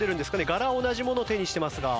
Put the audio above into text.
柄は同じものを手にしていますが。